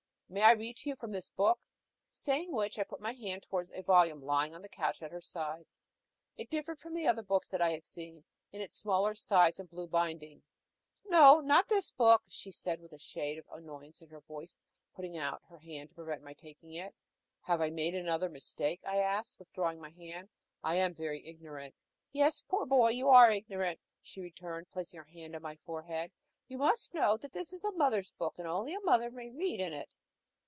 "May I read to you from this book?" Saying which, I put my hand towards a volume lying on the couch at her side. It differed from the other books I had seen, in its smaller size and blue binding. "No, not in this book," she said, with a shade of annoyance in her voice, putting out her hand to prevent my taking it. "Have I made another mistake?" I asked, withdrawing my hand. "I am very ignorant." "Yes, poor boy, you are very ignorant," she returned, placing her hand on my forehead. "You must know that this is a mother's book, and only a mother may read in it."